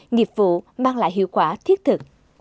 nghiệp vụ mang lại hiệu quả thiết thực